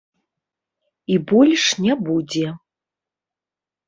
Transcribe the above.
І больш не будзе.